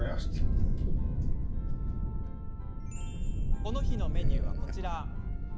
この日のメニューは、こちら。